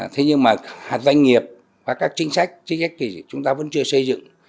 thế nhưng doanh nghiệp và các chính sách chúng ta vẫn chưa xây dựng